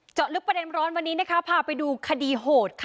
เจาะลึกประเด็นร้อนวันนี้นะคะพาไปดูคดีโหดค่ะ